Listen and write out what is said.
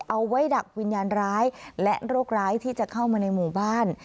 เอาไว้ดักวิญญาณร้ายและโรคร้ายที่จะเข้ามาในหมู่บ้าน